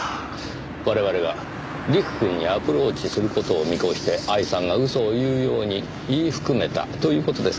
我々が吏玖くんにアプローチする事を見越して愛さんが嘘を言うように言い含めたという事ですか？